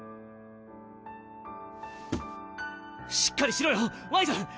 しっかりしろよワイズ。